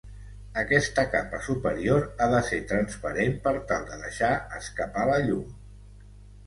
Aquesta capa superior ha de ser transparent per tal de deixar escapar la llum.